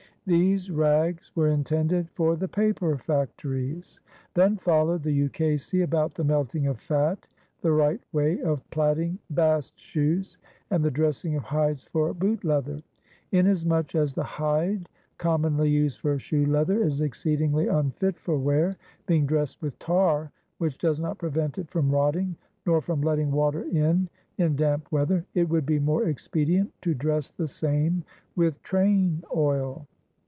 These rags were intended for the paper factories. Then followed the ukase about the melting of fat, the right way of plaiting bast shoes, and the dressing of hides for boot leather: "Inasmuch as the hide com monly used for shoe leather is exceedingly unfit for wear, being dressed with tar, which does not prevent it from rotting, nor from letting water in in damp weather, it would be more expedient to dress the same with train oil."